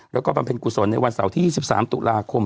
แล้วก็บำเพ็ญกุศลในวันเสาร์ที่๒๓ตุลาคม